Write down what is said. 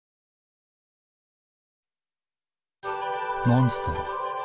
モンストロ。